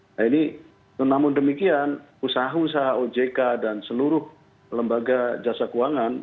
nah ini namun demikian usaha usaha ojk dan seluruh lembaga jasa keuangan